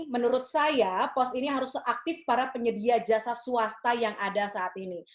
menurut saya pos ini harus seaktif para penyedia jasa swasta yang ada saat ini